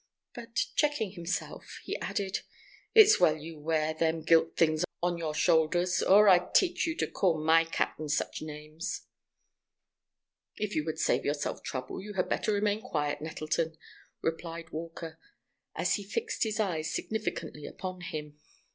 But, checking himself, he added: "It's well you wear them gilt things on your shoulders, or I'd teach you to call my cap'n such names." "If you would save yourself trouble you had better remain quiet, Nettleton," replied Walker, as he fixed his eyes significantly upon him.